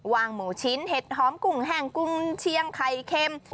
วางหมูชิ้นเห็ดหอมกุ่งแห่งกุ่งเชียงไข่เข้ม